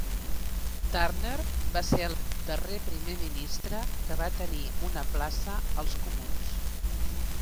Turner va ser el darrer primer ministre que va tenir una plaça als comuns.